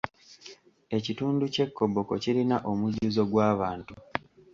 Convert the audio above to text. Ekitundu ky'e Koboko kirina omujjuzo gw'abantu.